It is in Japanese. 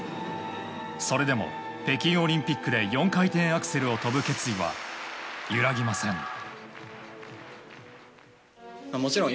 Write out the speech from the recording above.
それでも北京オリンピックで４回転アクセルを跳ぶ決意は揺らぎません。